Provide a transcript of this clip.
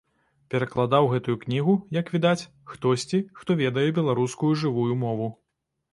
Перакладаў гэтую кнігу, як відаць, хтосьці, хто ведае беларускую жывую мову.